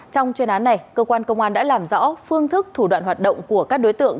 trong chuyên án này cơ quan công an đã làm rõ phương thức thủ đoạn hoạt động của các đối tượng